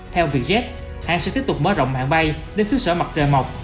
theo vietjet hàng sẽ tiếp tục mở rộng hàng bay đến xứ sở mặt trời mọc